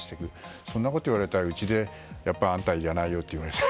そんなことを言ったらうちであなたはいらないよって言われちゃう。